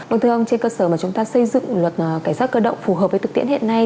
vâng thưa ông trên cơ sở mà chúng ta xây dựng luật cảnh sát cơ động phù hợp với thực tiễn hiện nay